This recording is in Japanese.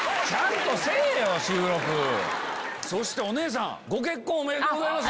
そしてお姉さんご結婚おめでとうございます。